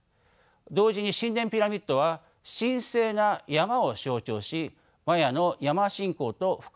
同時に神殿ピラミッドは神聖な山を象徴しマヤの山信仰と深く結び付いていました。